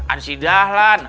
ada si dahlan